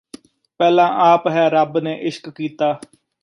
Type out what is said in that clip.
ਪਹਿਲਾਂ ਆਪ ਹੈ ਰੱਬ ਨੇ ਇਸ਼ਕ ਕੀਤਾ